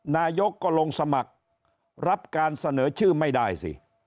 นายกก็ลงสมัครรับการเสนอชื่อไม่ได้สิ